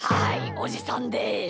おじさんです！